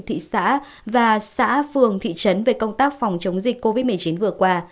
thị xã và xã phường thị trấn về công tác phòng chống dịch covid một mươi chín vừa qua